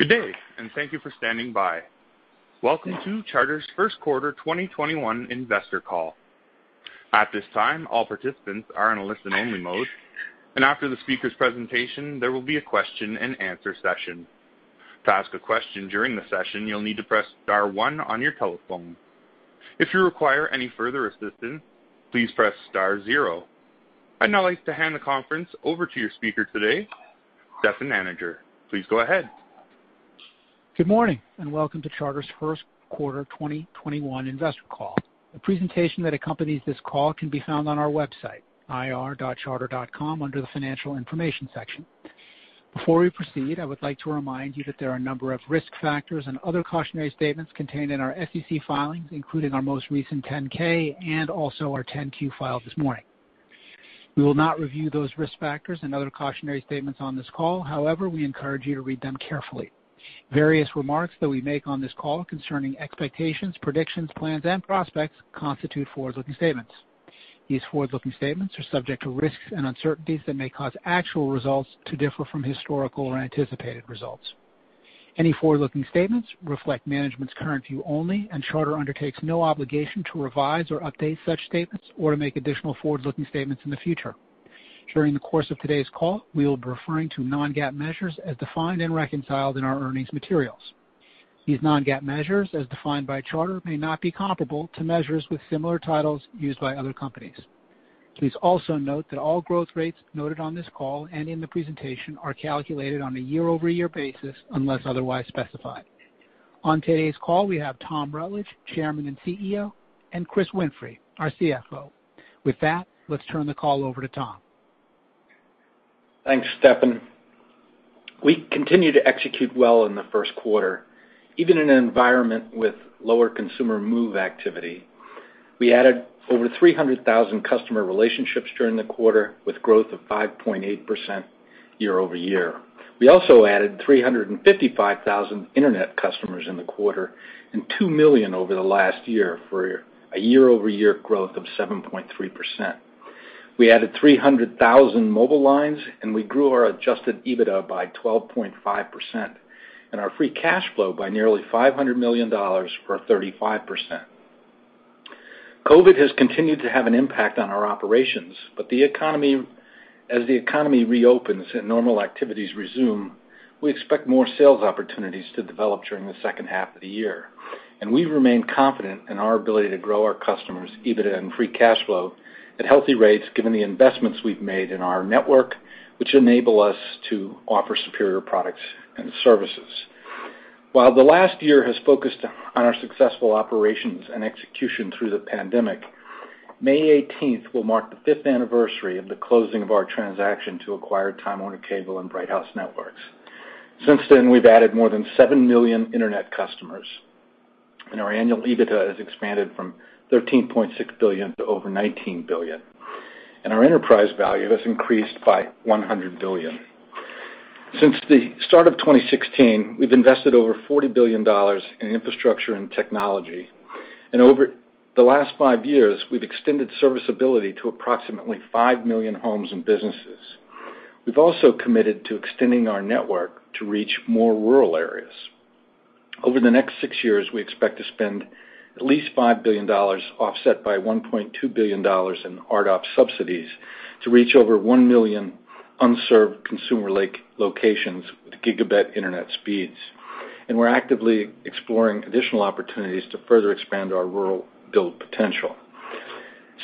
Good day, and thank you for standing by. Welcome to Charter's first quarter 2021 investor call. At this time, all participants are in a listen only mode, and after the speaker's presentation, there will be a question and answer session. To ask a question during the session, you'll need to press star one on your telephone. If you require any further assistance, please press star zero. I'd now like to hand the conference over to your speaker today, Stefan Anninger. Please go ahead. Good morning, welcome to Charter's First Quarter 2021 Investor Call. The presentation that accompanies this call can be found on our website, ir.charter.com, under the financial information section. Before we proceed, I would like to remind you that there are a number of risk factors and other cautionary statements contained in our SEC filings, including our most recent 10-K and also our 10-Q filed this morning. We will not review those risk factors and other cautionary statements on this call. We encourage you to read them carefully. Various remarks that we make on this call concerning expectations, predictions, plans, and prospects constitute forward-looking statements. These forward-looking statements are subject to risks and uncertainties that may cause actual results to differ from historical or anticipated results. Any forward-looking statements reflect management's current view only. Charter undertakes no obligation to revise or update such statements or to make additional forward-looking statements in the future. During the course of today's call, we will be referring to non-GAAP measures as defined and reconciled in our earnings materials. These non-GAAP measures, as defined by Charter, may not be comparable to measures with similar titles used by other companies. Please also note that all growth rates noted on this call and in the presentation are calculated on a year-over-year basis unless otherwise specified. On today's call, we have Tom Rutledge, Chairman and CEO, and Chris Winfrey, our CFO. With that, let's turn the call over to Tom. Thanks, Stefan. We continue to execute well in the first quarter, even in an environment with lower consumer move activity. We added over 300,000 customer relationships during the quarter, with growth of 5.8% year-over-year. We also added 355,000 Internet customers in the quarter and 2 million over the last year for a year-over-year growth of 7.3%. We added 300,000 mobile lines, and we grew our adjusted EBITDA by 12.5%, and our free cash flow by nearly $500 million, or 35%. COVID has continued to have an impact on our operations. As the economy reopens and normal activities resume, we expect more sales opportunities to develop during the second half of the year. We remain confident in our ability to grow our customers EBITDA and free cash flow at healthy rates given the investments we've made in our network, which enable us to offer superior products and services. While the last year has focused on our successful operations and execution through the pandemic, May 18th will mark the fifth anniversary of the closing of our transaction to acquire Time Warner Cable and Bright House Networks. Since then, we've added more than 7 million Internet customers, and our annual EBITDA has expanded from $13.6 billion to over $19 billion, and our enterprise value has increased by $100 billion. Since the start of 2016, we've invested over $40 billion in infrastructure and technology, and over the last five years, we've extended serviceability to approximately 5 million homes and businesses. We've also committed to extending our network to reach more rural areas. Over the next six years, we expect to spend at least $5 billion, offset by $1.2 billion in RDOF subsidies, to reach over 1 million unserved consumer locations with gigabit internet speeds. We're actively exploring additional opportunities to further expand our rural build potential.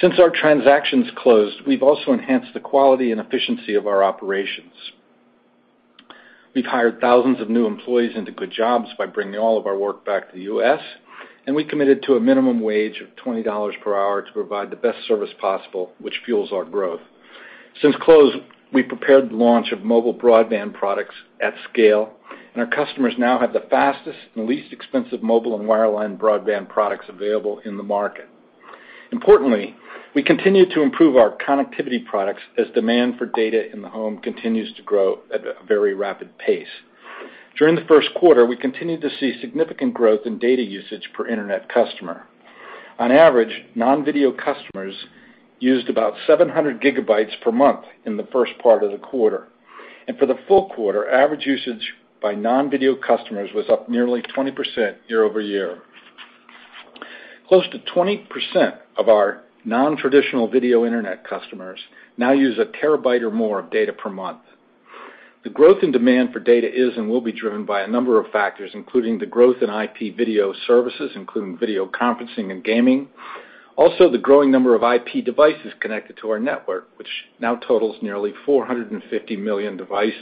Since our transactions closed, we've also enhanced the quality and efficiency of our operations. We've hired thousands of new employees into good jobs by bringing all of our work back to the U.S., and we committed to a minimum wage of $20 per hour to provide the best service possible, which fuels our growth. Since close, we prepared the launch of mobile broadband products at scale, and our customers now have the fastest and least expensive mobile and wireline broadband products available in the market. Importantly, we continue to improve our connectivity products as demand for data in the home continues to grow at a very rapid pace. During the first quarter, we continued to see significant growth in data usage per internet customer. On average, non-video customers used about 700 GB per month in the first part of the quarter. For the full quarter, average usage by non-video customers was up nearly 20% year-over-year. Close to 20% of our non-traditional video internet customers now use a terabyte or more of data per month. The growth in demand for data is and will be driven by a number of factors, including the growth in IP video services, including video conferencing and gaming. Also, the growing number of IP devices connected to our network, which now totals nearly 450 million devices.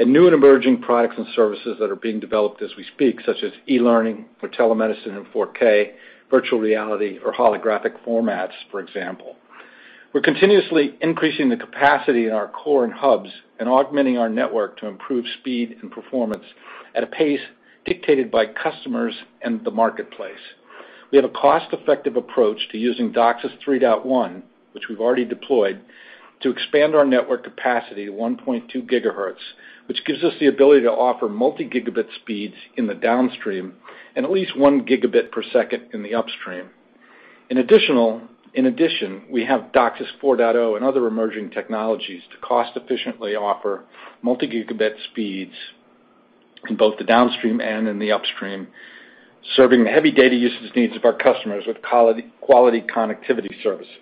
New and emerging products and services that are being developed as we speak, such as e-learning for telemedicine in 4K, virtual reality or holographic formats, for example. We're continuously increasing the capacity in our core and hubs and augmenting our network to improve speed and performance at a pace dictated by customers and the marketplace. We have a cost-effective approach to using DOCSIS 3.1, which we've already deployed, to expand our network capacity to 1.2 GHz, which gives us the ability to offer multi-gigabit speeds in the downstream and at least 1 Gbps in the upstream. In addition, we have DOCSIS 4.0 and other emerging technologies to cost efficiently offer multi-gigabit speeds in both the downstream and in the upstream, serving the heavy data usage needs of our customers with quality connectivity services.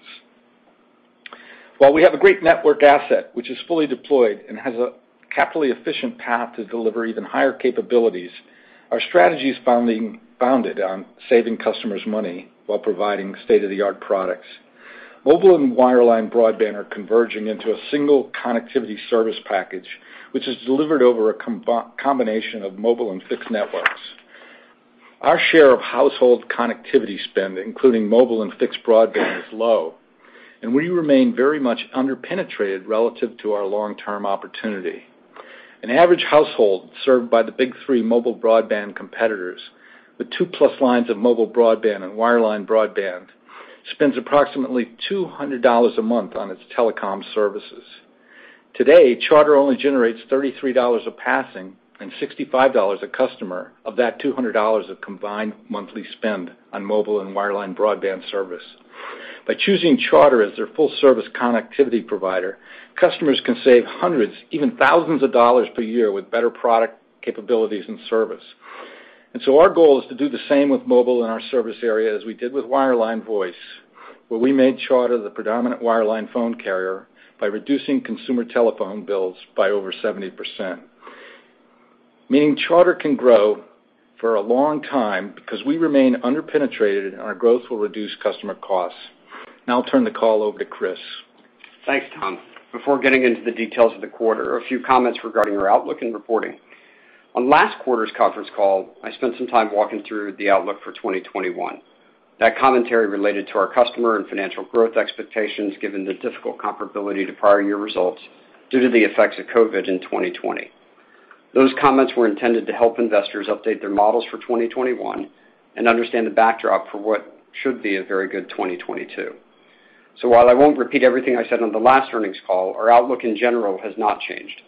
While we have a great network asset, which is fully deployed and has a capitally efficient path to deliver even higher capabilities, our strategy is founded on saving customers money while providing state-of-the-art products. Mobile and wireline broadband are converging into a single connectivity service package, which is delivered over a combination of mobile and fixed networks. Our share of household connectivity spend, including mobile and fixed broadband, is low, and we remain very much under-penetrated relative to our long-term opportunity. An average household served by the big three mobile broadband competitors with 2+ lines of mobile broadband and wireline broadband spends approximately $200 a month on its telecom services. Today, Charter only generates $33 a passing and $65 a customer of that $200 of combined monthly spend on mobile and wireline broadband service. By choosing Charter as their full-service connectivity provider, customers can save hundreds, even thousands of dollars per year with better product capabilities and service. Our goal is to do the same with mobile in our service area as we did with wireline voice, where we made Charter the predominant wireline phone carrier by reducing consumer telephone bills by over 70%, meaning Charter can grow for a long time because we remain under-penetrated, and our growth will reduce customer costs. I'll turn the call over to Chris. Thanks, Tom. Before getting into the details of the quarter, a few comments regarding our outlook and reporting. On last quarter's conference call, I spent some time walking through the outlook for 2021. That commentary related to our customer and financial growth expectations, given the difficult comparability to prior year results due to the effects of COVID in 2020. Those comments were intended to help investors update their models for 2021 and understand the backdrop for what should be a very good 2022. While I won't repeat everything I said on the last earnings call, our outlook, in general, has not changed.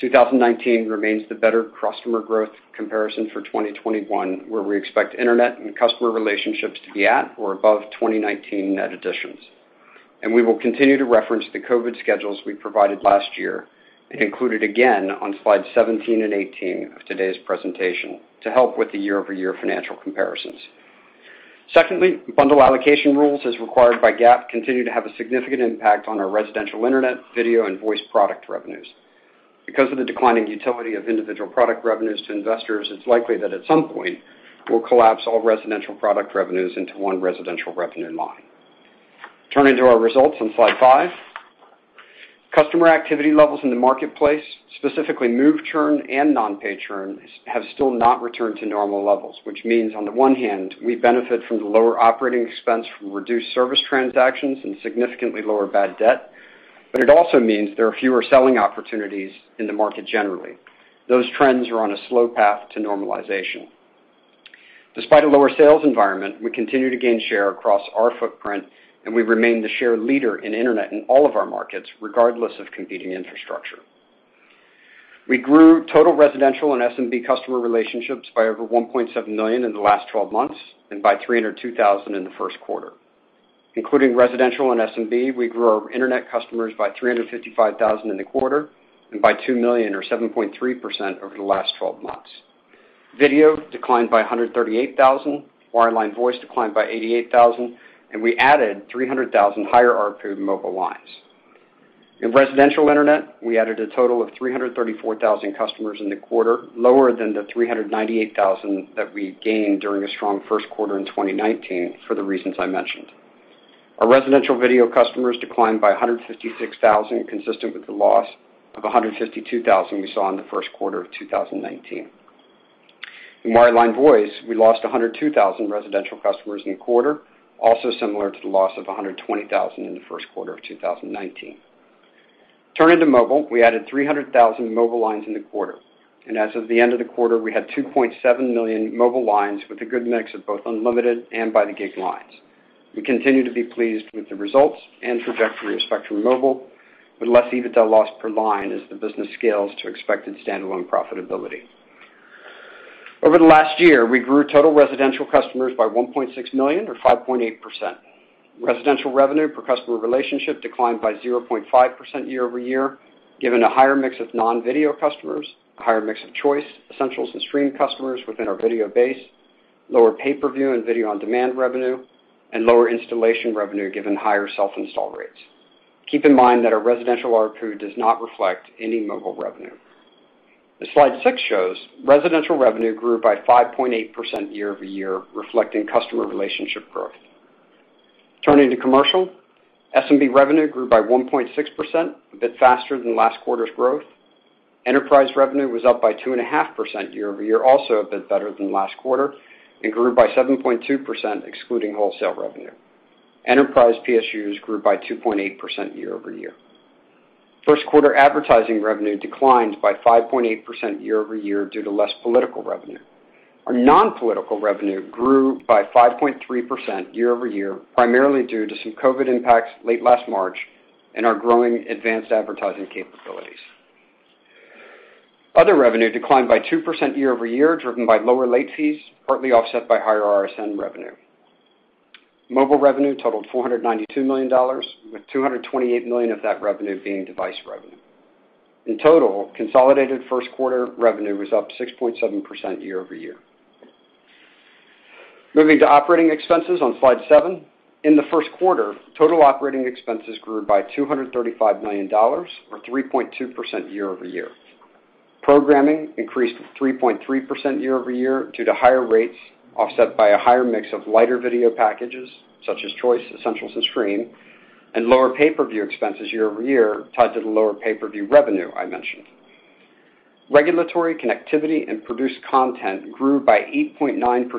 2019 remains the better customer growth comparison for 2021, where we expect internet and customer relationships to be at or above 2019 net additions. We will continue to reference the COVID schedules we provided last year and include it again on slides 17 and 18 of today's presentation to help with the year-over-year financial comparisons. Secondly, bundle allocation rules, as required by GAAP, continue to have a significant impact on our residential internet, video, and voice product revenues. Because of the declining utility of individual product revenues to investors, it's likely that at some point, we'll collapse all residential product revenues into one residential revenue line. Turning to our results on slide five, customer activity levels in the marketplace, specifically move churn and non-pay churn, have still not returned to normal levels, which means on the one hand, we benefit from the lower operating expense from reduced service transactions and significantly lower bad debt, but it also means there are fewer selling opportunities in the market generally. Those trends are on a slow path to normalization. Despite a lower sales environment, we continue to gain share across our footprint, and we remain the share leader in internet in all of our markets, regardless of competing infrastructure. We grew total residential and SMB customer relationships by over 1.7 million in the last 12 months and by 302,000 in the first quarter. Including residential and SMB, we grew our internet customers by 355,000 in the quarter and by 2 million or 7.3% over the last 12 months. Video declined by 138,000, wireline voice declined by 88,000, and we added 300,000 higher ARPU mobile lines. In residential internet, we added a total of 334,000 customers in the quarter, lower than the 398,000 that we gained during a strong first quarter in 2019 for the reasons I mentioned. Our residential video customers declined by 156,000, consistent with the loss of 152,000 we saw in the first quarter of 2019. In wireline voice, we lost 102,000 residential customers in the quarter, also similar to the loss of 120,000 in the first quarter of 2019. Turning to mobile, we added 300,000 mobile lines in the quarter, as of the end of the quarter, we had 2.7 million mobile lines with a good mix of both unlimited and by the gig lines. We continue to be pleased with the results and trajectory of Spectrum Mobile, with less EBITDA loss per line as the business scales to expected standalone profitability. Over the last year, we grew total residential customers by 1.6 million or 5.8%. Residential revenue per customer relationship declined by 0.5% year-over-year, given a higher mix of non-video customers, a higher mix of Choice, Essentials, and Stream customers within our video base, lower pay-per-view and video-on-demand revenue, and lower installation revenue given higher self-install rates. Keep in mind that our residential ARPU does not reflect any mobile revenue. As slide six shows, residential revenue grew by 5.8% year-over-year, reflecting customer relationship growth. Turning to commercial, SMB revenue grew by 1.6%, a bit faster than last quarter's growth. Enterprise revenue was up by 2.5% year-over-year, also a bit better than last quarter, and grew by 7.2% excluding wholesale revenue. Enterprise PSUs grew by 2.8% year-over-year. First quarter advertising revenue declined by 5.8% year-over-year due to less political revenue. Our non-political revenue grew by 5.3% year-over-year, primarily due to some COVID impacts late last March and our growing advanced advertising capabilities. Other revenue declined by 2% year-over-year, driven by lower late fees, partly offset by higher RSN revenue. Mobile revenue totaled $492 million, with $228 million of that revenue being device revenue. In total, consolidated first quarter revenue was up 6.7% year-over-year. Moving to operating expenses on slide seven. In the first quarter, total operating expenses grew by $235 million, or 3.2% year-over-year. Programming increased 3.3% year-over-year due to higher rates offset by a higher mix of lighter video packages such as Choice, Essentials, and Stream, and lower pay-per-view expenses year-over-year tied to the lower pay-per-view revenue I mentioned. Regulatory connectivity and produced content grew by 8.9%,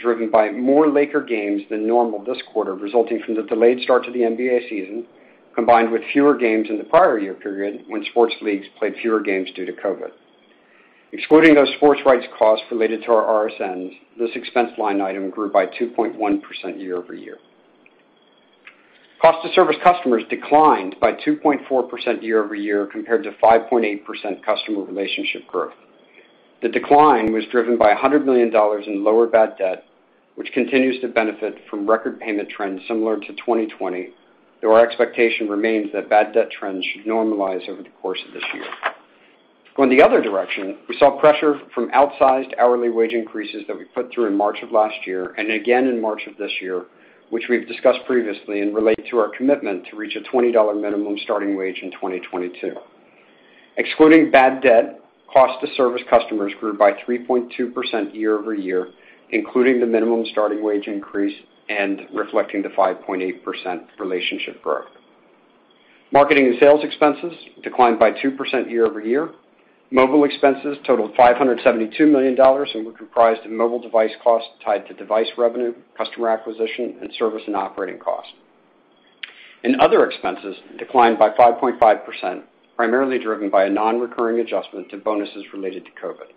driven by more Laker games than normal this quarter, resulting from the delayed start to the NBA season, combined with fewer games in the prior year period when sports leagues played fewer games due to COVID. Excluding those sports rights costs related to our RSNs, this expense line item grew by 2.1% year-over-year. Cost to service customers declined by 2.4% year-over-year compared to 5.8% customer relationship growth. The decline was driven by $100 million in lower bad debt, which continues to benefit from record payment trends similar to 2020, though our expectation remains that bad debt trends should normalize over the course of this year. Going the other direction, we saw pressure from outsized hourly wage increases that we put through in March of last year and again in March of this year, which we've discussed previously and relate to our commitment to reach a $20 minimum starting wage in 2022. Excluding bad debt, cost to service customers grew by 3.2% year-over-year, including the minimum starting wage increase and reflecting the 5.8% relationship growth. Marketing and sales expenses declined by 2% year-over-year. Mobile expenses totaled $572 million and were comprised of mobile device costs tied to device revenue, customer acquisition, and service and operating costs. Other expenses declined by 5.5%, primarily driven by a non-recurring adjustment to bonuses related to COVID.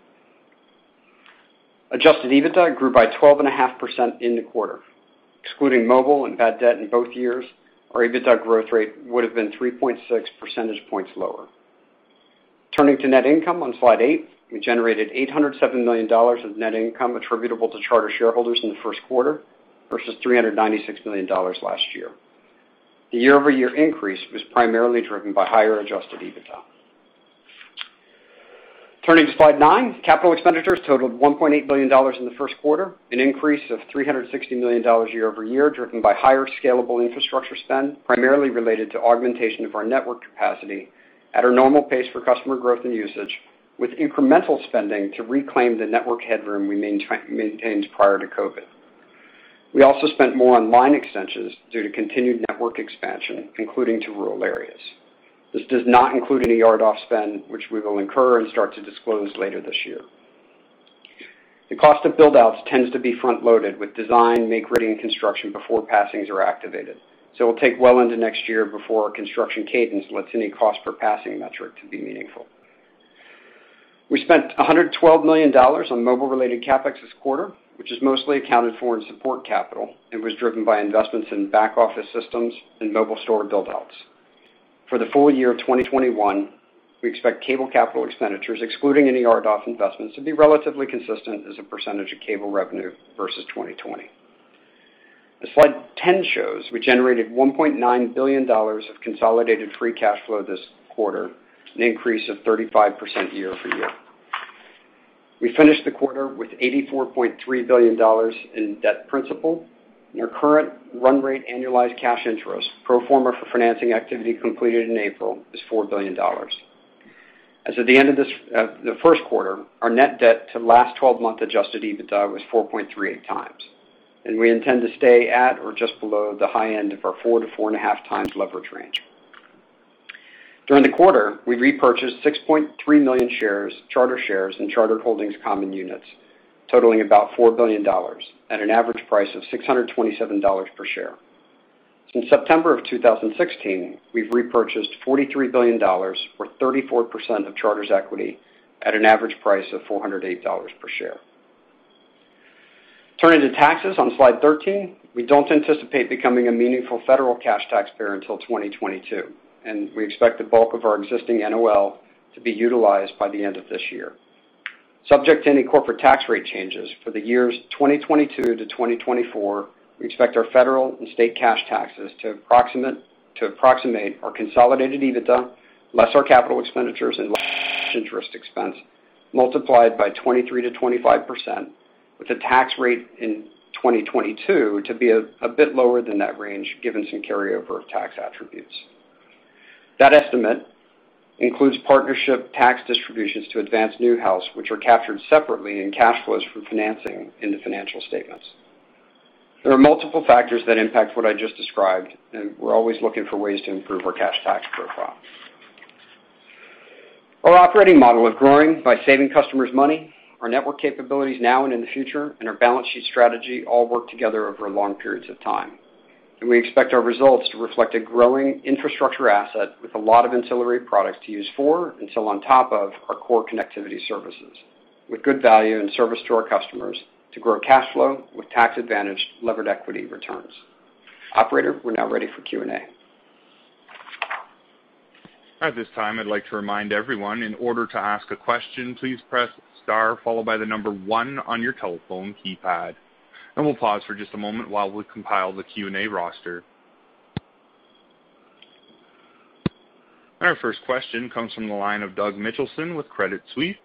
Adjusted EBITDA grew by 12.5% in the quarter. Excluding mobile and bad debt in both years, our EBITDA growth rate would have been 3.6 percentage points lower. Turning to net income on slide eight, we generated $807 million of net income attributable to Charter shareholders in the first quarter versus $396 million last year. The year-over-year increase was primarily driven by higher adjusted EBITDA. Turning to slide nine, capital expenditures totaled $1.8 billion in the first quarter, an increase of $360 million year-over-year, driven by higher scalable infrastructure spend, primarily related to augmentation of our network capacity at our normal pace for customer growth and usage, with incremental spending to reclaim the network headroom we maintained prior to COVID. We also spent more on line extensions due to continued network expansion, including to rural areas. This does not include any RDOF spend, which we will incur and start to disclose later this year. The cost of buildouts tends to be front loaded with design, make ready, and construction before passings are activated. It will take well into next year before our construction cadence lets any cost per passing metric to be meaningful. We spent $112 million on mobile related CapEx this quarter, which is mostly accounted for in support capital and was driven by investments in back office systems and mobile store buildouts. For the full year of 2021, we expect cable capital expenditures, excluding any RDOF investments, to be relatively consistent as a percentage of cable revenue versus 2020. The slide 10 shows we generated $1.9 billion of consolidated free cash flow this quarter, an increase of 35% year-over-year. We finished the quarter with $84.3 billion in debt principal, and our current run rate annualized cash interest, pro forma for financing activity completed in April, is $4 billion. As of the end of the first quarter, our net debt to last 12-month adjusted EBITDA was 4.38x, and we intend to stay at or just below the high end of our 4x-4.5x leverage range. During the quarter, we repurchased 6.3 million Charter shares and Charter holdings common units totaling about $4 billion at an average price of $627 per share. Since September of 2016, we've repurchased $43 billion, or 34% of Charter's equity at an average price of $408 per share. Turning to taxes on slide 13, we don't anticipate becoming a meaningful federal cash taxpayer until 2022, and we expect the bulk of our existing NOL to be utilized by the end of this year. Subject to any corporate tax rate changes, for the years 2022-2024, we expect our federal and state cash taxes to approximate our consolidated EBITDA, less our capital expenditures and less interest expense multiplied by 23%-25%, with the tax rate in 2022 to be a bit lower than that range given some carryover of tax attributes. That estimate includes partnership tax distributions to Advance/Newhouse, which are captured separately in cash flows from financing in the financial statements. There are multiple factors that impact what I just described, and we're always looking for ways to improve our cash tax profile. Our operating model of growing by saving customers money, our network capabilities now and in the future, and our balance sheet strategy all work together over long periods of time. We expect our results to reflect a growing infrastructure asset with a lot of ancillary products to use for and sell on top of our core connectivity services, with good value and service to our customers to grow cash flow with tax advantage levered equity returns. Operator, we're now ready for Q&A. At this time, I'd like to remind everyone, in order to ask a question, please press star followed by the number one on your telephone keypad. We'll pause for just a moment while we compile the Q&A roster. Our first question comes from the line of Doug Mitchelson with Credit Suisse.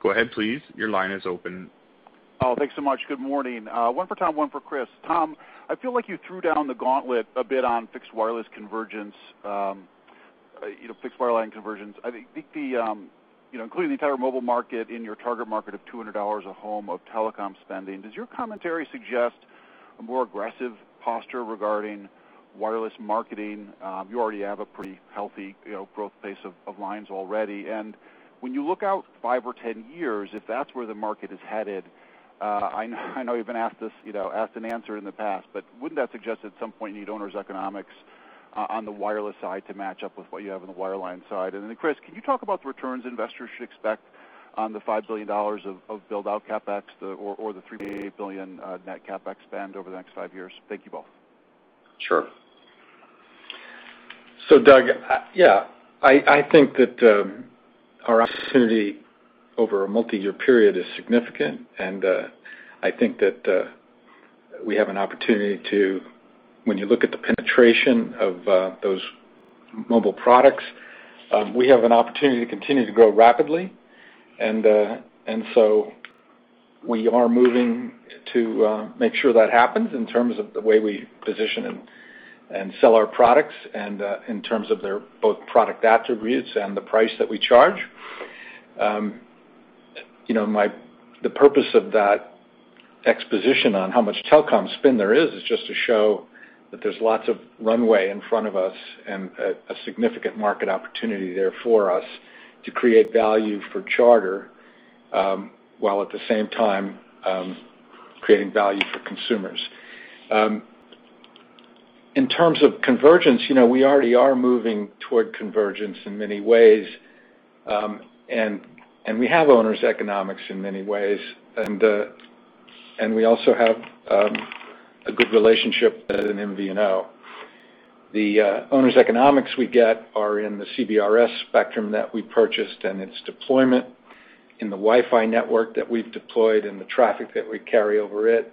Go ahead, please. Your line is open. Oh, thanks so much. Good morning. One for Tom, one for Chris. Tom, I feel like you threw down the gauntlet a bit on fixed wireless convergence, fixed wireline convergence. I think including the entire mobile market in your target market of $200 a home of telecom spending, does your commentary suggest a more aggressive posture regarding wireless marketing? You already have a pretty healthy growth pace of lines already. When you look out five or 10 years, if that's where the market is headed, I know you've been asked this, asked and answered in the past, but wouldn't that suggest at some point you need owners economics on the wireless side to match up with what you have on the wireline side? Chris, can you talk about the returns investors should expect on the $5 billion of buildout CapEx or the $3.8 billion net CapEx spend over the next five years? Thank you both. Sure. Doug, yeah, I think that our opportunity over a multi-year period is significant, and I think that we have an opportunity to, when you look at the penetration of those mobile products, we have an opportunity to continue to grow rapidly. We are moving to make sure that happens in terms of the way we position and sell our products and in terms of their both product attributes and the price that we charge. The purpose of that exposition on how much telecom spend there is just to show that there's lots of runway in front of us and a significant market opportunity there for us to create value for Charter, while at the same time, creating value for consumers. In terms of convergence, we already are moving toward convergence in many ways. We have owners economics in many ways. We also have a good relationship as an MVNO. The owners economics we get are in the CBRS spectrum that we purchased and its deployment in the Wi-Fi network that we've deployed and the traffic that we carry over it.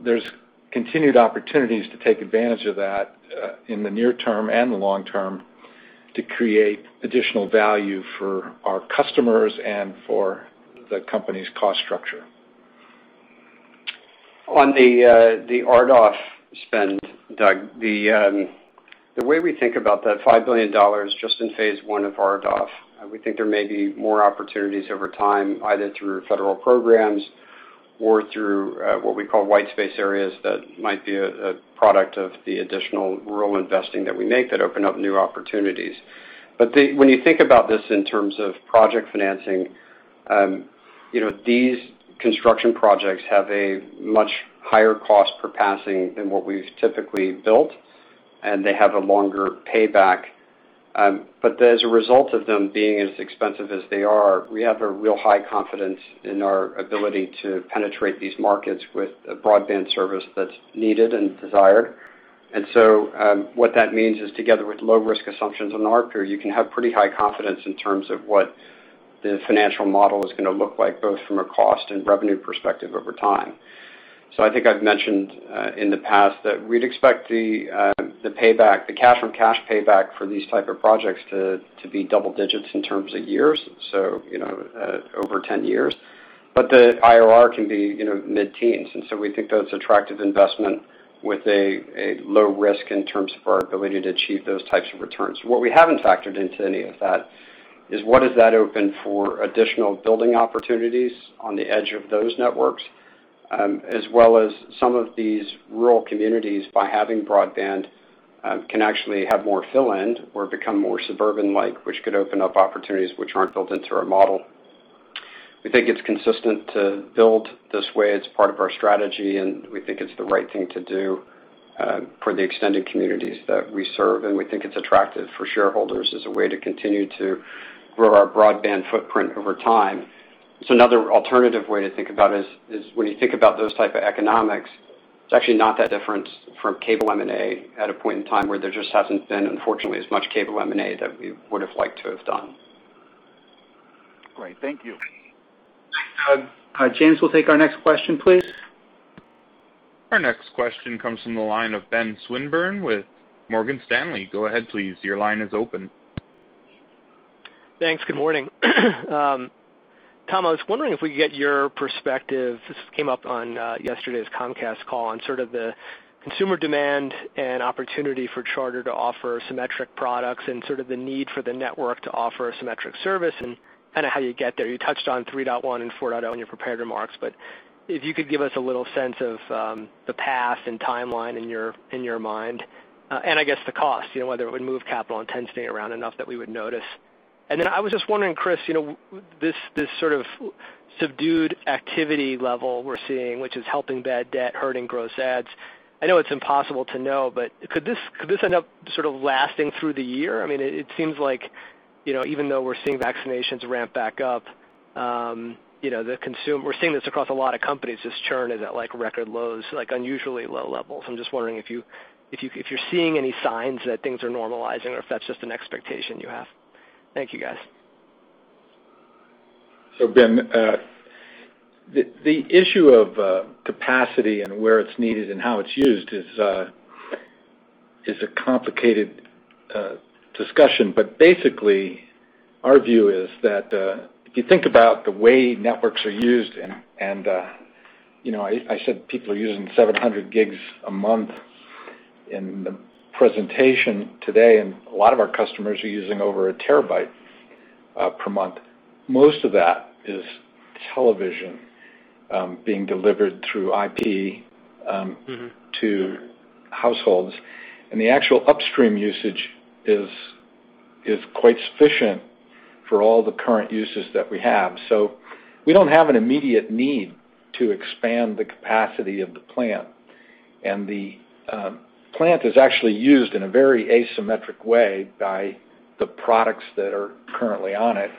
There's continued opportunities to take advantage of that in the near term and the long term to create additional value for our customers and for the company's cost structure. On the RDOF spend, Doug, the way we think about that $5 billion just in phase I of RDOF, we think there may be more opportunities over time, either through federal programs or through what we call white space areas that might be a product of the additional rural investing that we make that open up new opportunities. When you think about this in terms of project financing, these construction projects have a much higher cost per passing than what we've typically built, and they have a longer payback. As a result of them being as expensive as they are, we have a real high confidence in our ability to penetrate these markets with a broadband service that's needed and desired. What that means is together with low risk assumptions on ARPU, you can have pretty high confidence in terms of what the financial model is going to look like, both from a cost and revenue perspective over time. I think I've mentioned in the past that we'd expect the payback, the cash from cash payback for these type of projects to be double digits in terms of years, so over 10 years. The IRR can be mid-teens, we think that's attractive investment with a low risk in terms of our ability to achieve those types of returns. What we haven't factored into any of that is what does that open for additional building opportunities on the edge of those networks, as well as some of these rural communities, by having broadband, can actually have more fill-in or become more suburban-like, which could open up opportunities which aren't built into our model. We think it's consistent to build this way. It's part of our strategy, and we think it's the right thing to do for the extended communities that we serve, and we think it's attractive for shareholders as a way to continue to grow our broadband footprint over time. Another alternative way to think about is, when you think about those type of economics, it's actually not that different from cable M&A at a point in time where there just hasn't been, unfortunately, as much cable M&A that we would have liked to have done. Great. Thank you. James, we'll take our next question, please. Our next question comes from the line of Ben Swinburne with Morgan Stanley. Go ahead, please. Thanks. Good morning. Tom, I was wondering if we could get your perspective, this came up on yesterday's Comcast call, on sort of the consumer demand and opportunity for Charter to offer symmetric products and sort of the need for the network to offer a symmetric service and kind of how you get there. You touched on 3.1 and 4.0 in your prepared remarks, but if you could give us a little sense of the path and timeline in your mind, and I guess the cost, whether it would move capital intensity around enough that we would notice. Then I was just wondering, Chris, this sort of subdued activity level we're seeing, which is helping bad debt, hurting gross ads. I know it's impossible to know, but could this end up sort of lasting through the year? It seems like even though we're seeing vaccinations ramp back up. The consumer, we're seeing this across a lot of companies, this churn is at record lows, unusually low levels. I'm just wondering if you're seeing any signs that things are normalizing or if that's just an expectation you have. Thank you, guys. Ben, the issue of capacity and where it's needed and how it's used is a complicated discussion. Basically, our view is that if you think about the way networks are used, and I said people are using 700 GB a month in the presentation today, and a lot of our customers are using over a terabyte per month. Most of that is television being delivered through IP to households, and the actual upstream usage is quite sufficient for all the current uses that we have. We don't have an immediate need to expand the capacity of the plant. The plant is actually used in a very asymmetric way by the products that are currently on it.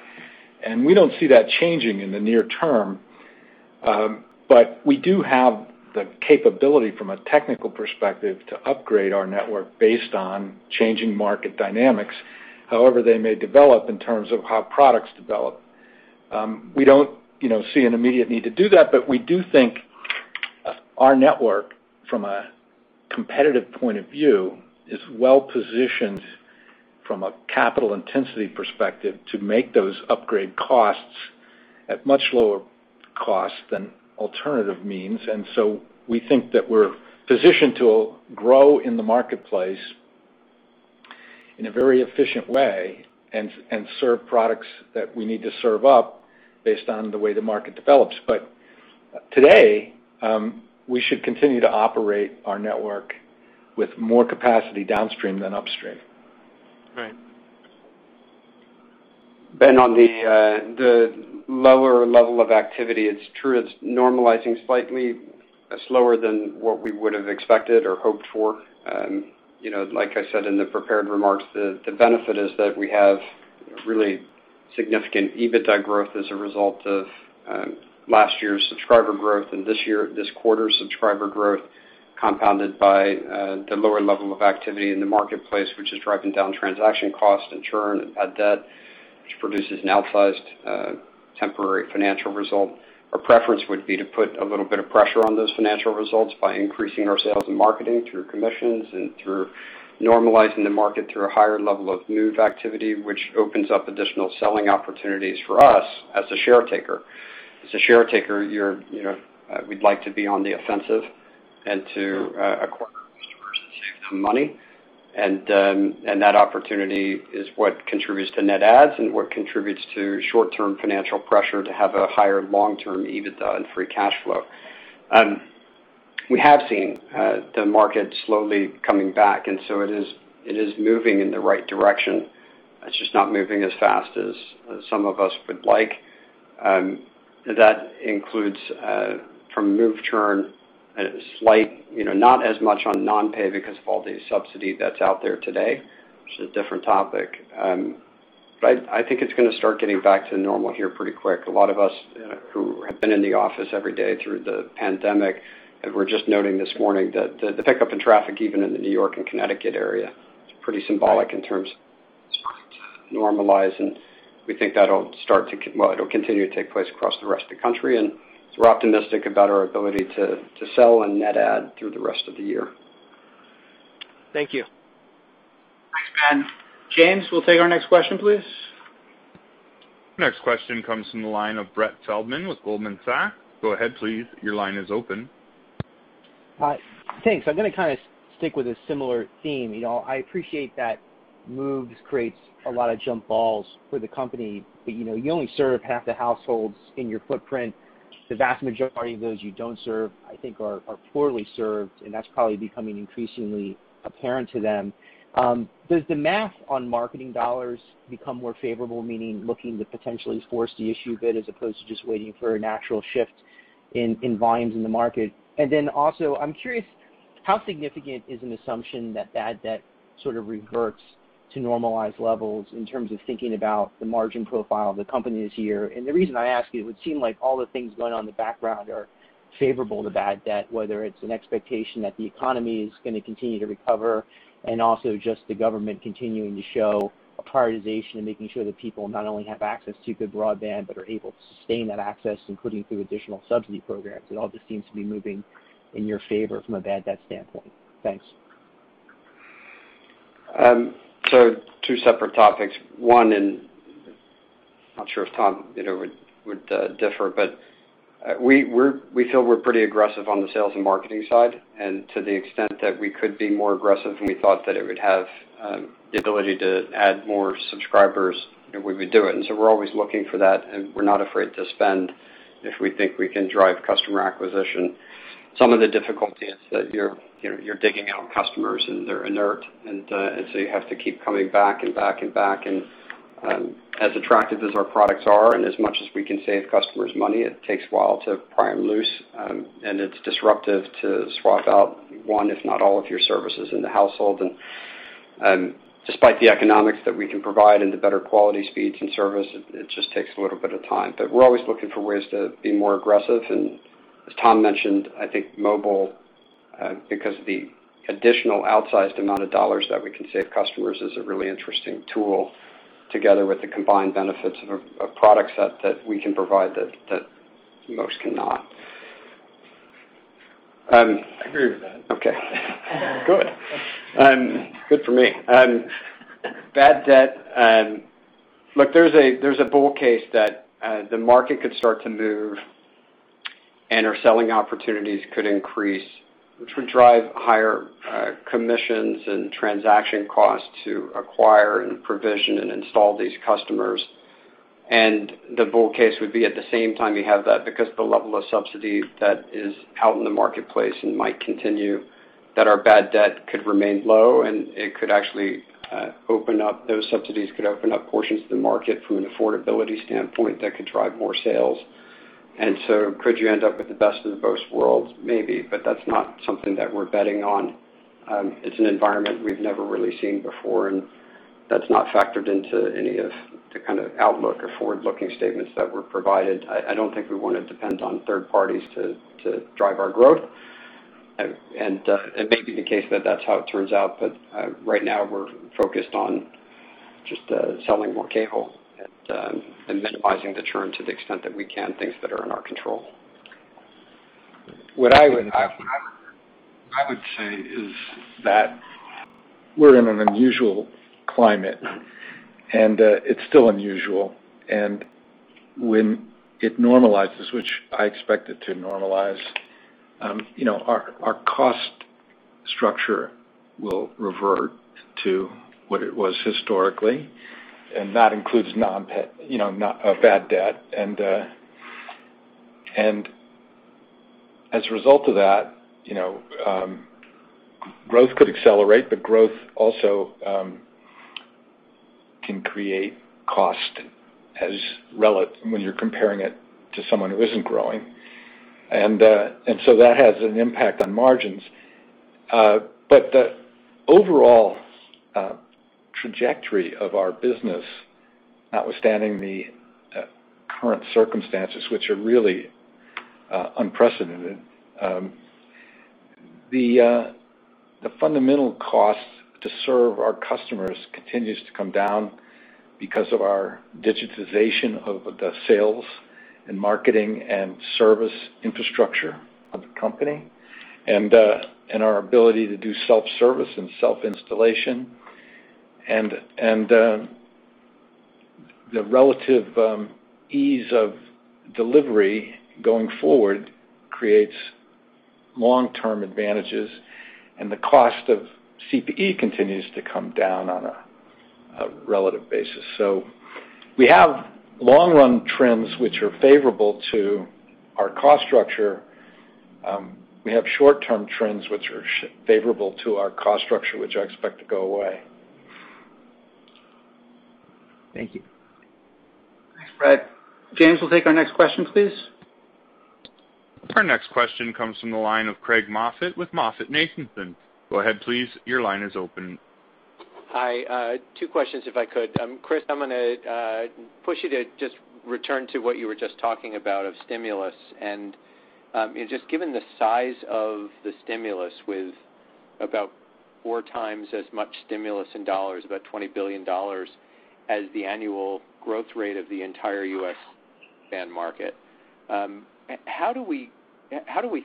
We don't see that changing in the near term. We do have the capability from a technical perspective to upgrade our network based on changing market dynamics. However, they may develop in terms of how products develop. We don't see an immediate need to do that, but we do think our network, from a competitive point of view, is well-positioned from a capital intensity perspective to make those upgrade costs at much lower cost than alternative means. We think that we're positioned to grow in the marketplace in a very efficient way and serve products that we need to serve up based on the way the market develops. Today, we should continue to operate our network with more capacity downstream than upstream. Right. Ben, on the lower level of activity, it's true it's normalizing slightly slower than what we would have expected or hoped for. Like I said in the prepared remarks, the benefit is that we have really significant EBITDA growth as a result of last year's subscriber growth and this quarter's subscriber growth, compounded by the lower level of activity in the marketplace, which is driving down transaction cost and churn and bad debt, which produces an outsized temporary financial result. Our preference would be to put a little bit of pressure on those financial results by increasing our sales and marketing through commissions and through normalizing the market through a higher level of move activity, which opens up additional selling opportunities for us as a share taker. As a share taker, we'd like to be on the offensive and to acquire customers and save them money. That opportunity is what contributes to net adds and what contributes to short-term financial pressure to have a higher long-term EBITDA and free cash flow. We have seen the market slowly coming back, and so it is moving in the right direction. It's just not moving as fast as some of us would like. That includes from move churn, slight, not as much on non-pay because of all the subsidy that's out there today, which is a different topic. I think it's going to start getting back to normal here pretty quick. A lot of us who have been in the office every day through the pandemic. We're just noting this morning that the pickup in traffic, even in the New York and Connecticut area, is pretty symbolic in terms of starting to normalize. We think that'll continue to take place across the rest of the country. We're optimistic about our ability to sell and net add through the rest of the year. Thank you. Thanks, Ben. James, we'll take our next question, please. Next question comes from the line of Brett Feldman with Goldman Sachs. Go ahead, please. Your line is open. Hi. Thanks. I'm going to stick with a similar theme. I appreciate that moves creates a lot of jump balls for the company, but you only serve half the households in your footprint. The vast majority of those you don't serve, I think are poorly served, and that's probably becoming increasingly apparent to them. Does the math on marketing dollars become more favorable, meaning looking to potentially force the issue a bit as opposed to just waiting for a natural shift in volumes in the market? Also, I'm curious, how significant is an assumption that bad debt sort of reverts to normalized levels in terms of thinking about the margin profile of the company this year? The reason I ask you, it would seem like all the things going on in the background are favorable to bad debt, whether it's an expectation that the economy is going to continue to recover, and also just the government continuing to show a prioritization and making sure that people not only have access to good broadband but are able to sustain that access, including through additional subsidy programs. It all just seems to be moving in your favor from a bad debt standpoint. Thanks. Two separate topics. One, and I'm not sure if Tom would differ, but we feel we're pretty aggressive on the sales and marketing side. To the extent that we could be more aggressive, and we thought that it would have the ability to add more subscribers, we would do it. We're always looking for that, and we're not afraid to spend if we think we can drive customer acquisition. Some of the difficulty is that you're digging out customers, and they're inert, and you have to keep coming back and back. As attractive as our products are and as much as we can save customers money, it takes a while to pry them loose. It's disruptive to swap out one, if not all of your services in the household. Despite the economics that we can provide and the better quality speeds and service, it just takes a little bit of time. We're always looking for ways to be more aggressive. As Tom mentioned, I think mobile, because the additional outsized amount of dollars that we can save customers is a really interesting tool, together with the combined benefits of a product set that we can provide that most cannot. I agree with that. Okay. Good. Good for me. Bad debt. Look, there's a bull case that the market could start to move and our selling opportunities could increase, which would drive higher commissions and transaction costs to acquire and provision and install these customers. The bull case would be at the same time you have that, because the level of subsidy that is out in the marketplace and might continue, that our bad debt could remain low, and those subsidies could open up portions of the market from an affordability standpoint that could drive more sales. Could you end up with the best of both worlds? Maybe, but that's not something that we're betting on. It's an environment we've never really seen before, and that's not factored into any of the kind of outlook or forward-looking statements that were provided. I don't think we want to depend on third parties to drive our growth. It may be the case that that's how it turns out, but right now we're focused on just selling more cable and minimizing the churn to the extent that we can, things that are in our control. What I would say is that we're in an unusual climate, and it's still unusual. When it normalizes, which I expect it to normalize, our cost structure will revert to what it was historically, and that includes bad debt. As a result of that, growth could accelerate, but growth also can create cost when you're comparing it to someone who isn't growing. That has an impact on margins. The overall trajectory of our business, notwithstanding the current circumstances, which are really unprecedented, the fundamental cost to serve our customers continues to come down because of our digitization of the sales and marketing and service infrastructure of the company and our ability to do self-service and self-installation. The relative ease of delivery going forward creates long-term advantages, and the cost of CPE continues to come down on a relative basis. We have long-run trends which are favorable to our cost structure. We have short-term trends which are favorable to our cost structure, which I expect to go away. Thank you. Thanks, Brett. James, we'll take our next question, please. Our next question comes from the line of Craig Moffett with MoffettNathanson. Go ahead, please. Your line is open. Hi. Two questions if I could. Chris, I'm going to push you to just return to what you were just talking about of stimulus. Just given the size of the stimulus with about 4x as much stimulus in dollars, about $20 billion as the annual growth rate of the entire U.S. band market. How do we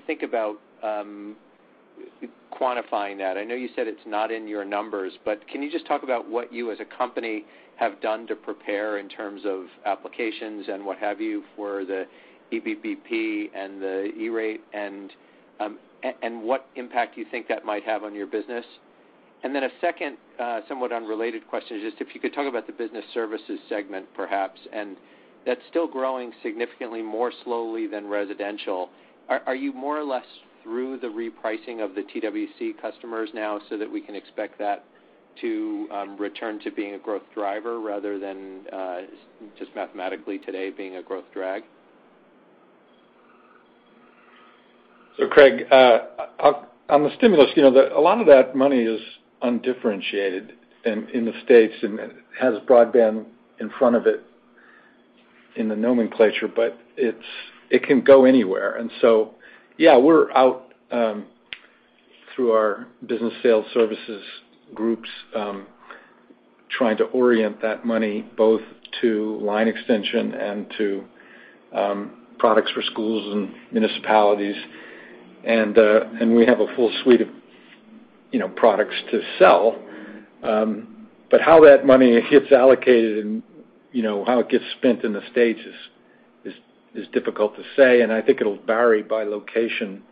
think about quantifying that? I know you said it's not in your numbers, can you just talk about what you as a company have done to prepare in terms of applications and what have you for the EBPP and the E-Rate, and what impact you think that might have on your business? A second, somewhat unrelated question is just if you could talk about the Business Services segment, perhaps. That's still growing significantly more slowly than residential. Are you more or less through the repricing of the TWC customers now so that we can expect that to return to being a growth driver rather than just mathematically today being a growth drag? Craig, on the stimulus, a lot of that money is undifferentiated in the states and has broadband in front of it in the nomenclature, it can go anywhere. Yeah, we're out through our business sales services groups, trying to orient that money both to line extension and to products for schools and municipalities. We have a full suite of products to sell. How that money gets allocated and how it gets spent in the states is difficult to say, and I think it'll vary by location.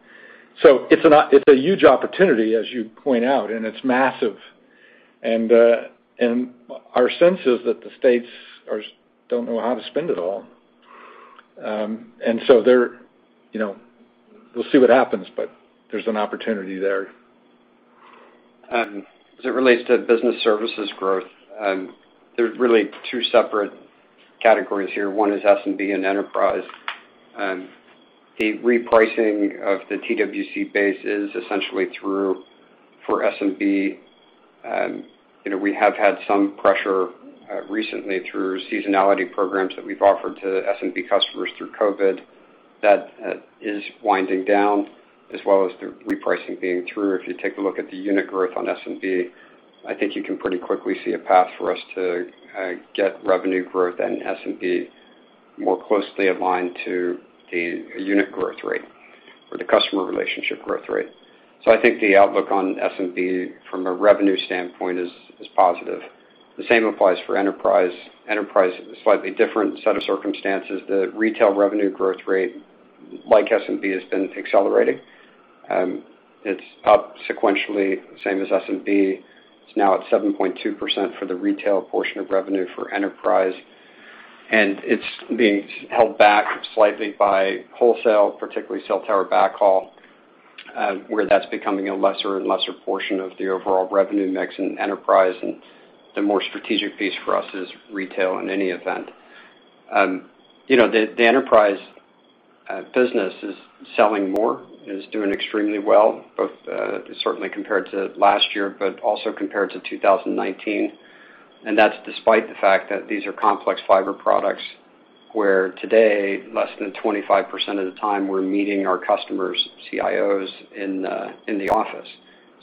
It's a huge opportunity, as you point out, and it's massive. Our sense is that the states don't know how to spend it all. We'll see what happens, there's an opportunity there. As it relates to business services growth, there's really two separate categories here. One is SMB and enterprise. The repricing of the TWC base is essentially through for SMB. We have had some pressure recently through seasonality programs that we've offered to SMB customers through COVID. That is winding down as well as the repricing being true. If you take a look at the unit growth on SMB, I think you can pretty quickly see a path for us to get revenue growth and SMB more closely aligned to the unit growth rate or the customer relationship growth rate. I think the outlook on SMB from a revenue standpoint is positive. The same applies for enterprise. Enterprise is a slightly different set of circumstances. The retail revenue growth rate, like SMB, has been accelerating. It's up sequentially, same as SMB. It's now at 7.2% for the retail portion of revenue for enterprise, and it's being held back slightly by wholesale, particularly cell tower backhaul, where that's becoming a lesser and lesser portion of the overall revenue mix in enterprise, and the more strategic piece for us is retail in any event. The enterprise business is selling more, is doing extremely well, both certainly compared to last year, but also compared to 2019, and that's despite the fact that these are complex fiber products, where today, less than 25% of the time, we're meeting our customers' CIOs in the office.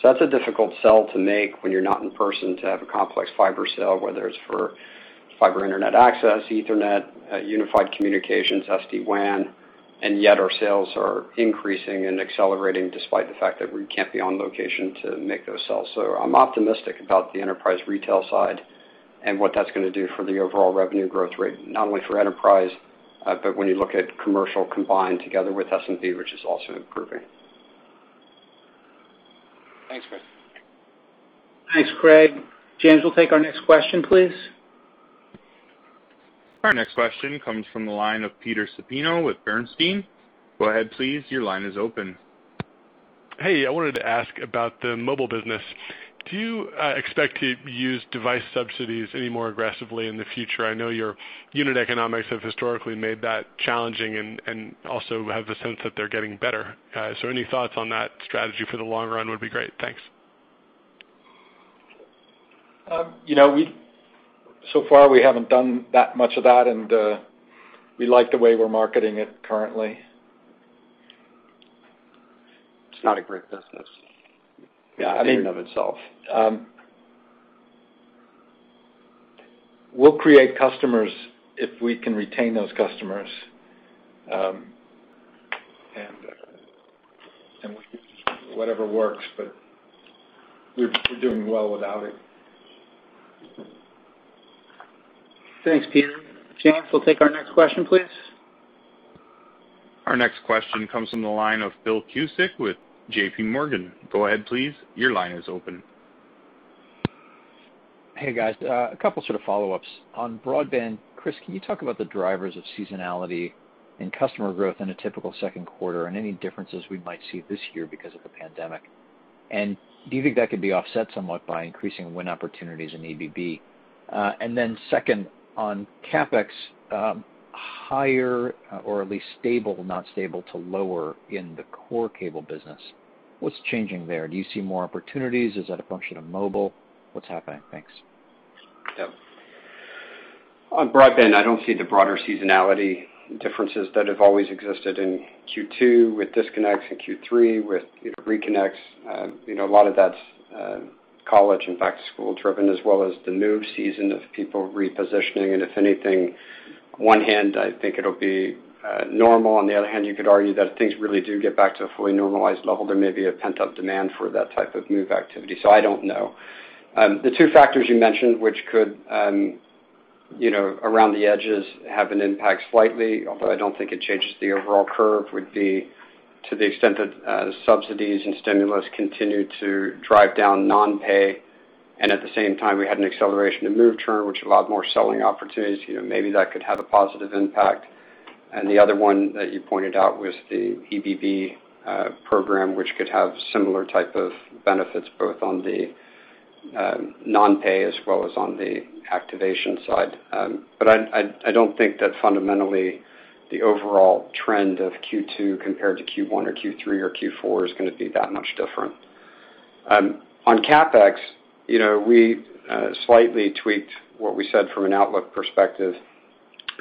That's a difficult sell to make when you're not in person to have a complex fiber sell, whether it's for fiber internet access, Ethernet, unified communications, SD-WAN, and yet our sales are increasing and accelerating despite the fact that we can't be on location to make those sales. I'm optimistic about the enterprise retail side and what that's going to do for the overall revenue growth rate, not only for enterprise, but when you look at commercial combined together with SMB, which is also improving. Thanks, Chris. Thanks, Craig. James, we'll take our next question, please. Our next question comes from the line of Peter Supino with Bernstein. Go ahead, please. Your line is open. Hey, I wanted to ask about the mobile business. Do you expect to use device subsidies any more aggressively in the future? I know your unit economics have historically made that challenging and also have the sense that they're getting better. Any thoughts on that strategy for the long run would be great. Thanks. So far, we haven't done that much of that, and we like the way we're marketing it currently. It's not a great business. I mean in and of itself. We'll create customers if we can retain those customers. Whatever works, but we're doing well without it. Thanks, Peter. James, we'll take our next question, please. Our next question comes from the line of Phil Cusick with JPMorgan. Go ahead, please. Your line is open. Hey, guys. A couple sort of follow-ups. On broadband, Chris, can you talk about the drivers of seasonality and customer growth in a typical second quarter and any differences we might see this year because of the pandemic? Do you think that could be offset somewhat by increasing win opportunities in EBB? Then second, on CapEx, higher or at least stable, not stable to lower in the core cable business. What's changing there? Do you see more opportunities? Is that a function of mobile? What's happening? Thanks. Yeah. On broadband, I don't see the broader seasonality differences that have always existed in Q2 with disconnects, in Q3 with reconnects. A lot of that's college and back-to-school driven, as well as the move season of people repositioning. If anything, one hand, I think it'll be normal. On the other hand, you could argue that if things really do get back to a fully normalized level, there may be a pent-up demand for that type of move activity. I don't know. The two factors you mentioned, which could, around the edges, have an impact slightly, although I don't think it changes the overall curve, would be to the extent that subsidies and stimulus continue to drive down non-pay. At the same time, we had an acceleration to move term, which allowed more selling opportunities. Maybe that could have a positive impact. The other one that you pointed out was the EBB program, which could have similar type of benefits, both on the non-pay as well as on the activation side. I don't think that fundamentally the overall trend of Q2 compared to Q1 or Q3 or Q4 is going to be that much different. On CapEx, we slightly tweaked what we said from an outlook perspective,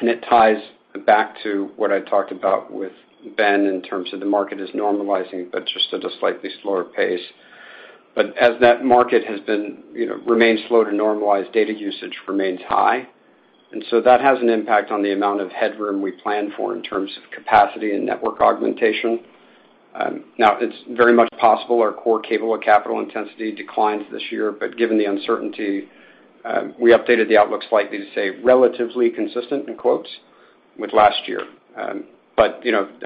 and it ties back to what I talked about with Ben in terms of the market is normalizing, but just at a slightly slower pace. As that market remains slow to normalize, data usage remains high. That has an impact on the amount of headroom we plan for in terms of capacity and network augmentation. Now, it's very much possible our core cable or capital intensity declines this year, but given the uncertainty, we updated the outlook slightly to say relatively consistent, in quotes, with last year. I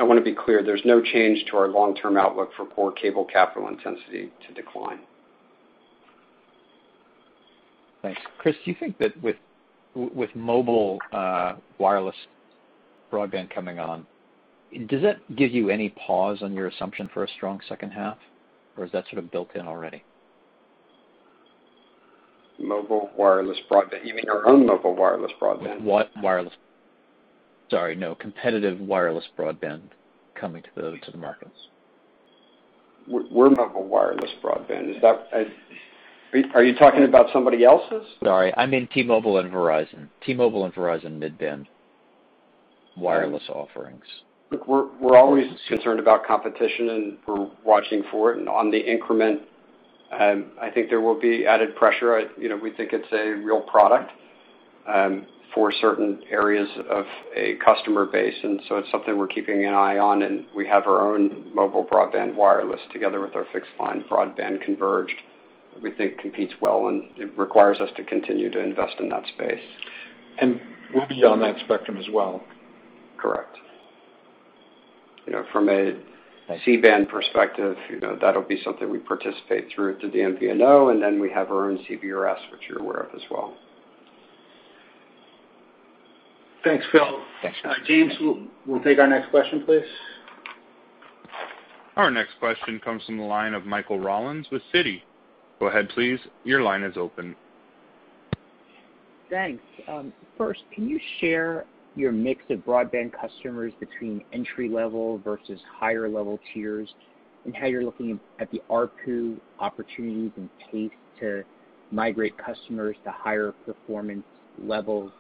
want to be clear, there's no change to our long-term outlook for core cable capital intensity to decline. Thanks. Chris, do you think that with mobile wireless broadband coming on, does that give you any pause on your assumption for a strong second half, or is that sort of built in already? Mobile wireless broadband. You mean our own mobile wireless broadband? What wireless? Sorry, no, competitive wireless broadband coming to the markets. We're mobile wireless broadband. Are you talking about somebody else's? Sorry, I mean T-Mobile and Verizon mid-band wireless offerings. Look, we're always concerned about competition, and we're watching for it. On the increment, I think there will be added pressure. We think it's a real product for certain areas of a customer base, and so it's something we're keeping an eye on, and we have our own mobile broadband wireless together with our fixed line broadband converged that we think competes well, and it requires us to continue to invest in that space. We'll be on that spectrum as well. Correct. From a C-band perspective, that'll be something we participate through to the MVNO, and then we have our own CBRS, which you're aware of as well. Thanks, Phil. Thanks. James, we'll take our next question, please. Our next question comes from the line of Michael Rollins with Citi. Go ahead, please. Your line is open. Thanks. First, can you share your mix of broadband customers between entry level versus higher level tiers, and how you're looking at the ARPU opportunities and pace to migrate customers to higher performance levels?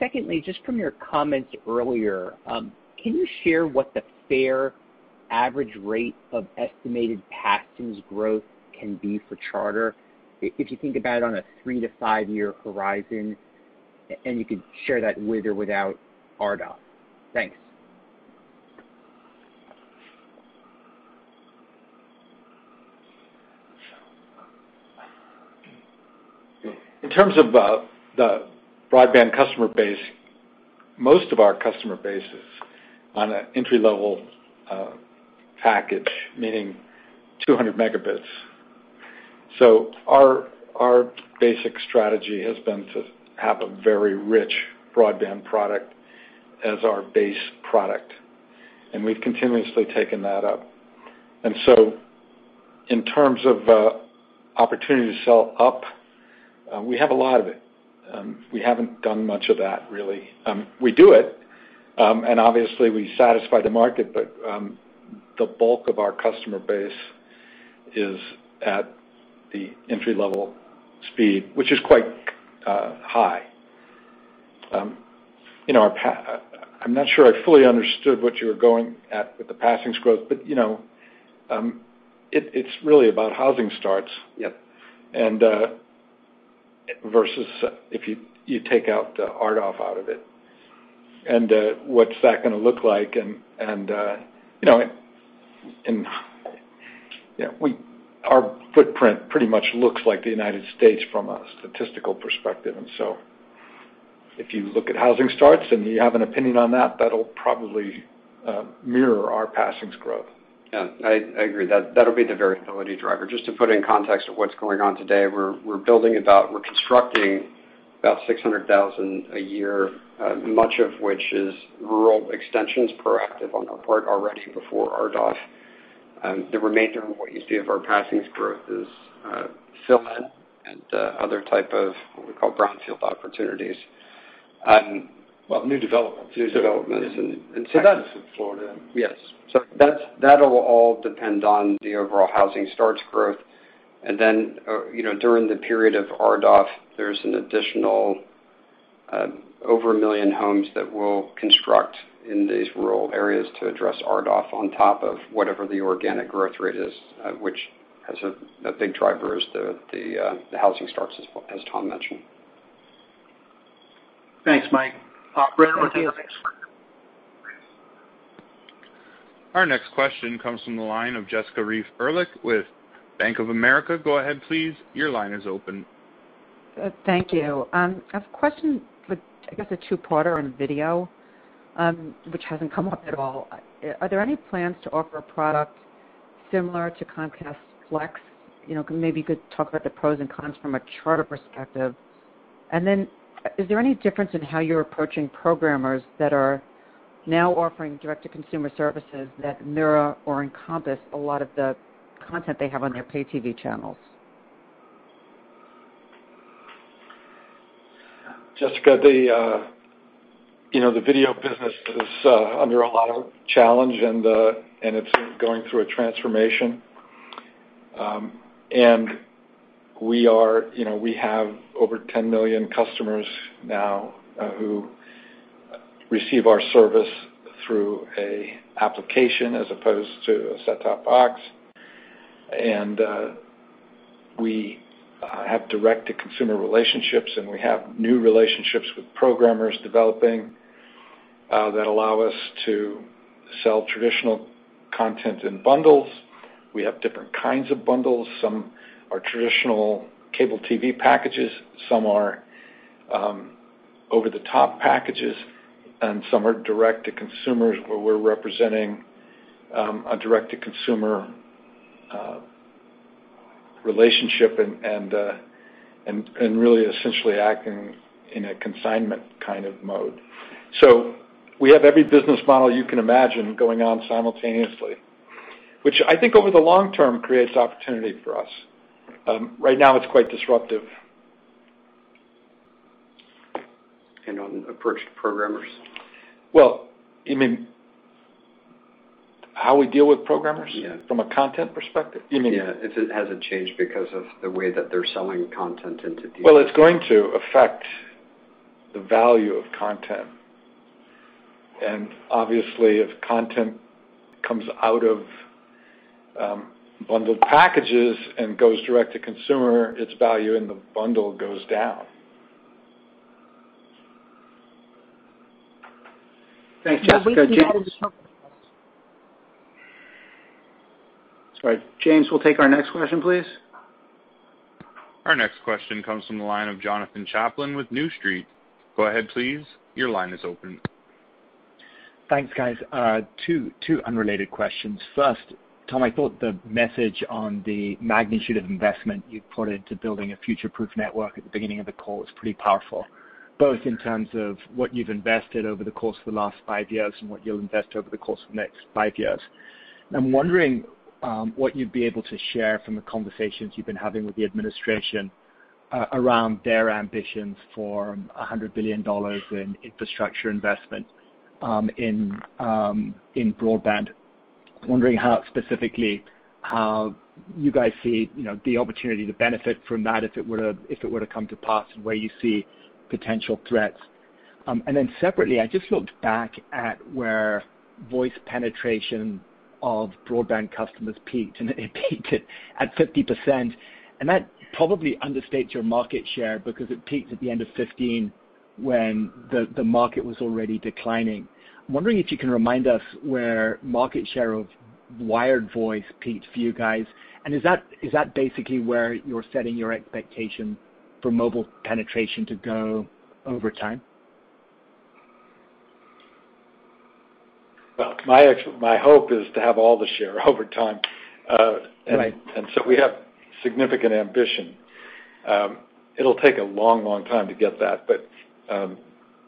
Secondly, just from your comments earlier, can you share what the fair average rate of estimated passings growth can be for Charter, if you think about it on a three to five year horizon, and you could share that with or without RDOF. Thanks. In terms of the broadband customer base, most of our customer base is on an entry-level package, meaning 200 Mb. Our basic strategy has been to have a very rich broadband product as our base product, and we've continuously taken that up. In terms of opportunity to sell up, we have a lot of it. We haven't done much of that really. We do it, and obviously we satisfy the market, but the bulk of our customer base is at the entry-level speed, which is quite high. I'm not sure I fully understood what you were going at with the passings growth, but it's really about housing starts. Yep. Versus if you take out the RDOF out of it and what's that going to look like, and our footprint pretty much looks like the United States from a statistical perspective. If you look at housing starts and you have an opinion on that'll probably mirror our passings growth. Yeah, I agree. That'll be the variability driver. Just to put in context of what's going on today, we're constructing about 600,000 a year, much of which is rural extensions, proactive on our part already before RDOF. The remainder of what you see of our passings growth is fill-in and other type of what we call brownfield opportunities. Well, new developments. New developments in. That's in Florida. Yes. That'll all depend on the overall housing starts growth. During the period of RDOF, there's an additional over 1 million homes that we'll construct in these rural areas to address RDOF on top of whatever the organic growth rate is, which has a big driver is the housing starts, as Tom mentioned. Thanks, Mike. Operator, we'll take the next one. Our next question comes from the line of Jessica Reif Ehrlich with Bank of America. Go ahead, please. Your line is open. Thank you. I have a question for, I guess, a two-parter on video, which hasn't come up at all. Are there any plans to offer a product similar to Comcast Flex? Maybe you could talk about the pros and cons from a Charter perspective. Is there any difference in how you're approaching programmers that are now offering direct-to-consumer services that mirror or encompass a lot of the content they have on their pay TV channels? Jessica, the video business is under a lot of challenge, and it's going through a transformation. We have over 10 million customers now who receive our service through an application as opposed to a set-top box. We have direct-to-consumer relationships, and we have new relationships with programmers developing that allow us to sell traditional content in bundles. We have different kinds of bundles. Some are traditional cable TV packages, some are over-the-top packages, and some are direct-to-consumers where we're representing a direct-to-consumer relationship and really essentially acting in a consignment kind of mode. We have every business model you can imagine going on simultaneously. Which I think over the long term creates opportunity for us. Right now it's quite disruptive. On approach to programmers? Well, you mean how we deal with programmers? Yeah. From a content perspective? Yeah. If it hasn't changed because of the way that they're selling content. Well, it's going to affect the value of content. Obviously, if content comes out of bundled packages and goes direct-to-consumer, its value in the bundle goes down. Thanks, Jessica. Sorry. James, we'll take our next question, please. Our next question comes from the line of Jonathan Chaplin with New Street. Go ahead, please. Your line is open. Thanks, guys. Two unrelated questions. First, Tom, I thought the message on the magnitude of investment you put into building a future-proof network at the beginning of the call was pretty powerful, both in terms of what you've invested over the course of the last five years and what you'll invest over the course of the next five years. I'm wondering what you'd be able to share from the conversations you've been having with the administration around their ambitions for $100 billion in infrastructure investment in broadband. I'm wondering how specifically how you guys see the opportunity to benefit from that if it were to come to pass, and where you see potential threats. Separately, I just looked back at where voice penetration of broadband customers peaked, and it peaked at 50%. That probably understates your market share because it peaked at the end of 2015 when the market was already declining. I'm wondering if you can remind us where market share of wired voice peaked for you guys, and is that basically where you're setting your expectation for mobile penetration to go over time? Well, my hope is to have all the share over time. Right. We have significant ambition. It'll take a long time to get that.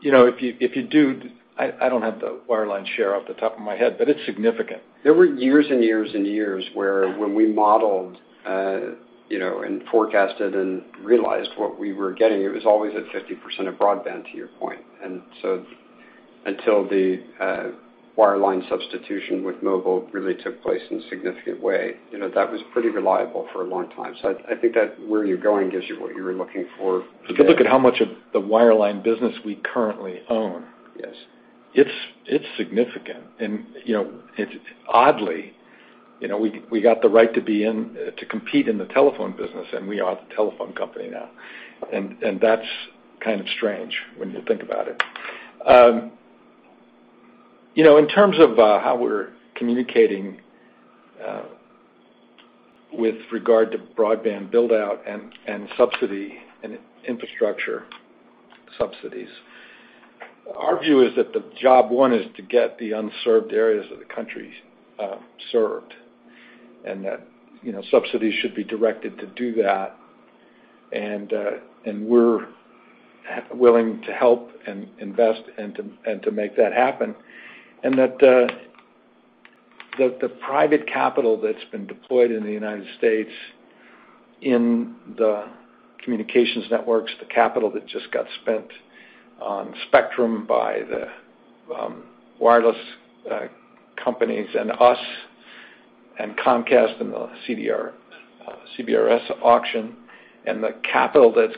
If you do, I don't have the wireline share off the top of my head, but it's significant. There were years and years where when we modeled and forecasted and realized what we were getting, it was always at 50% of broadband, to your point. Until the wireline substitution with mobile really took place in a significant way, that was pretty reliable for a long time. I think that where you're going gives you what you were looking for today. If you look at how much of the wireline business we currently own. Yes. It's significant. Oddly we got the right to compete in the telephone business, and we are the telephone company now. That's kind of strange when you think about it. In terms of how we're communicating with regard to broadband build-out and subsidy and infrastructure subsidies, our view is that the job one is to get the unserved areas of the country served, and that subsidies should be directed to do that, and we're willing to help and invest and to make that happen. That the private capital that's been deployed in the United States in the communications networks, the capital that just got spent on spectrum by the wireless companies and us and Comcast and the CBRS auction, and the capital that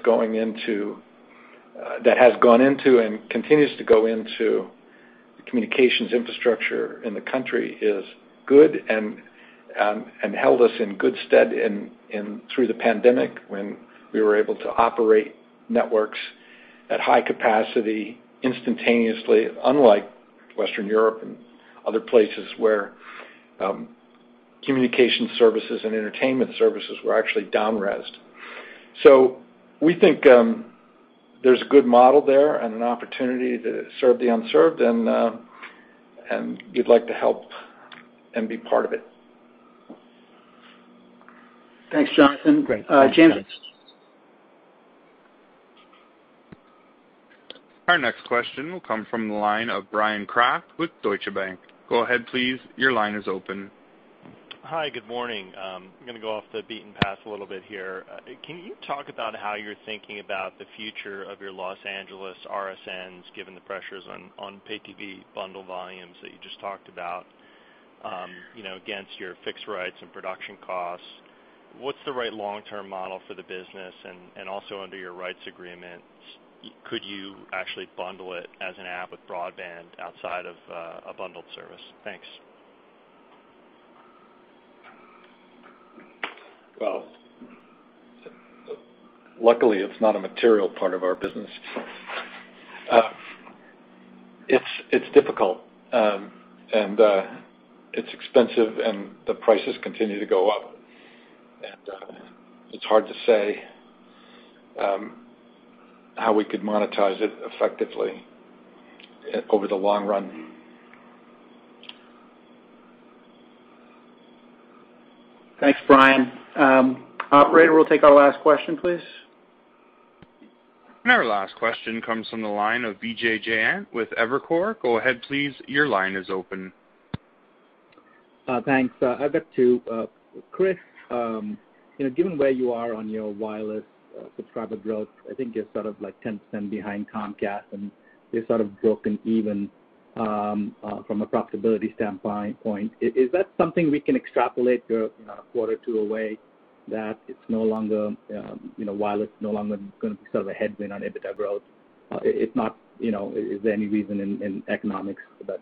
has gone into and continues to go into the communications infrastructure in the country is good and held us in good stead through the pandemic when we were able to operate networks at high capacity instantaneously, unlike Western Europe and other places where communication services and entertainment services were actually down-resed. We think there's a good model there and an opportunity to serve the unserved, and we'd like to help and be part of it. Thanks, Jonathan. Great. Thanks, guys. James. Our next question will come from the line of Bryan Kraft with Deutsche Bank. Go ahead, please. Your line is open. Hi, good morning. I'm gonna go off the beaten path a little bit here. Can you talk about how you're thinking about the future of your Los Angeles RSNs, given the pressures on pay TV bundle volumes that you just talked about against your fixed rates and production costs? What's the right long-term model for the business? Also under your rights agreements, could you actually bundle it as an app with broadband outside of a bundled service? Thanks. Well, luckily, it's not a material part of our business. It's difficult, and it's expensive, and the prices continue to go up. It's hard to say how we could monetize it effectively over the long run. Thanks, Bryan. Operator, we'll take our last question, please. Our last question comes from the line of Vijay Jayant with Evercore. Go ahead please. Your line is open. Thanks. I've got two. Chris, given where you are on your wireless subscriber growth, I think you're sort of 10% behind Comcast, you're sort of broken even from a profitability standpoint. Is that something we can extrapolate a quarter or two away, that wireless is no longer going to be sort of a headwind on EBITDA growth? Is there any reason in economics that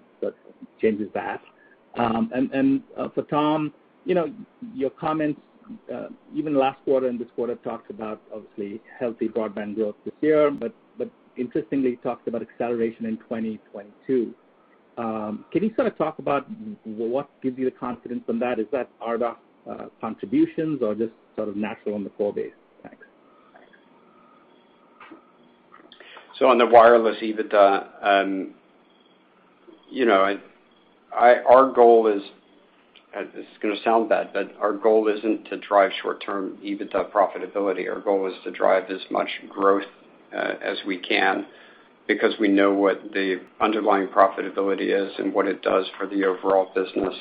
changes that? For Tom, your comments, even last quarter and this quarter, talked about obviously healthy broadband growth this year, interestingly, you talked about acceleration in 2022. Can you sort of talk about what gives you the confidence on that? Is that RDOF contributions or just sort of natural in the core base? Thanks. On the wireless EBITDA, our goal is, this is going to sound bad, but our goal isn't to drive short-term EBITDA profitability. Our goal is to drive as much growth as we can because we know what the underlying profitability is and what it does for the overall business.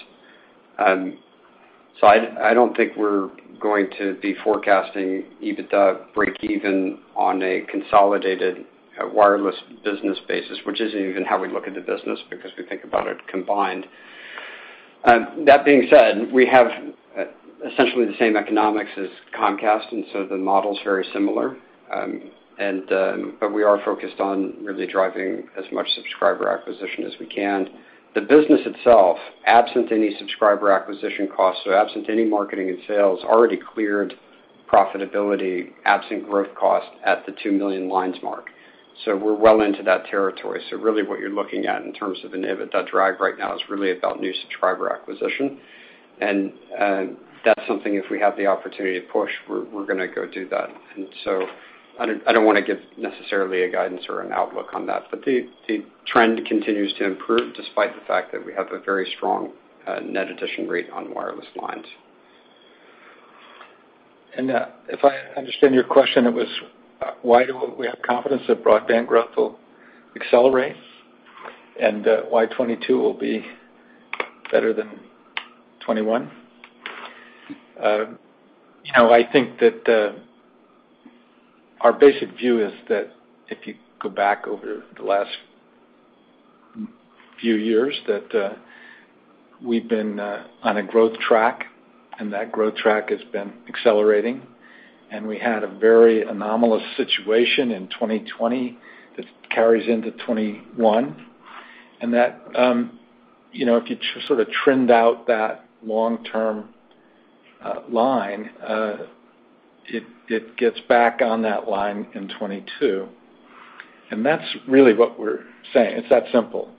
I don't think we're going to be forecasting EBITDA breakeven on a consolidated wireless business basis, which isn't even how we look at the business because we think about it combined. That being said, we have essentially the same economics as Comcast, and so the model's very similar. We are focused on really driving as much subscriber acquisition as we can. The business itself, absent any subscriber acquisition costs, so absent any marketing and sales, already cleared profitability, absent growth cost at the 2 million lines mark. We're well into that territory. Really what you're looking at in terms of an EBITDA drag right now is really about new subscriber acquisition. That's something if we have the opportunity to push, we're going to go do that. I don't want to give necessarily a guidance or an outlook on that. The trend continues to improve despite the fact that we have a very strong net addition rate on wireless lines. If I understand your question, it was why do we have confidence that broadband growth will accelerate and why 2022 will be better than 2021? I think that our basic view is that if you go back over the last few years, that we've been on a growth track, and that growth track has been accelerating, and we had a very anomalous situation in 2020 that carries into 2021. If you sort of trend out that long-term line, it gets back on that line in 2022. That's really what we're saying. It's that simple.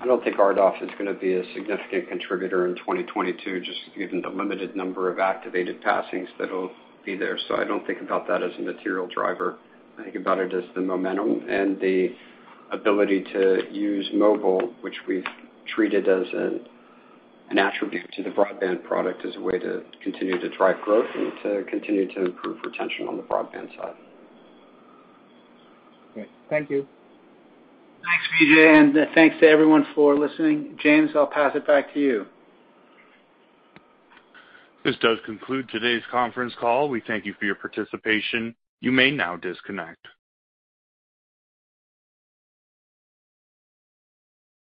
I don't think RDOF is going to be a significant contributor in 2022, just given the limited number of activated passings that'll be there. I don't think about that as a material driver. I think about it as the momentum and the ability to use mobile, which we've treated as an attribute to the broadband product as a way to continue to drive growth and to continue to improve retention on the broadband side. Great. Thank you. Thanks, Vijay, and thanks to everyone for listening. James, I'll pass it back to you. This does conclude today's conference call. We thank you for your participation. You may now disconnect.